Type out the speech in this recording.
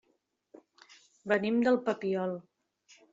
Venim del Papiol.